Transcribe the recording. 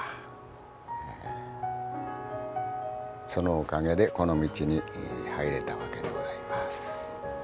そのおかげでこの道に入れたわけでございます。